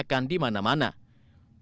pembangunan jpo itu untuk memperbaiki jalan